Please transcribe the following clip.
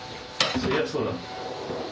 そりゃそうだ。